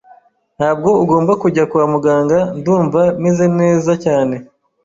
Ntabwo ngomba kujya kwa muganga. Ndumva meze neza cyane.